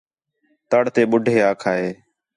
تڑ تے ٻُڈّھے آکھا ہِے